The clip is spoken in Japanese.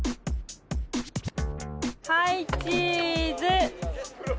はいチーズ！